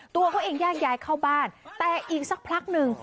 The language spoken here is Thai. ตัวเขาเองแยกย้ายเข้าบ้านแต่อีกสักพักหนึ่ง